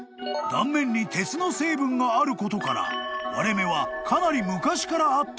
［断面に鉄の成分があることから割れ目はかなり昔からあったと推測］